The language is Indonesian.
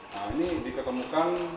nah ini diketemukan